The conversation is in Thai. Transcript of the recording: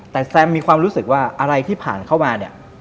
แต่แซมมีความรู้สึกว่าอะไรที่ผ่านเข้ามาเนี่ย